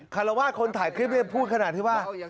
คารวาสคนถ่ายคลิปพูดขนาดที่ว่า